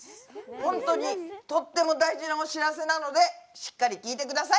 本当にとっても大事なお知らせなのでしっかり聞いてください！